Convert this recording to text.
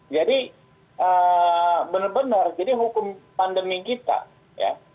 jadi benar benar jadi hukum pandemi kita ya